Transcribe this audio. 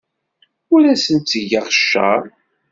Ur asent-ttgeɣ cceṛ.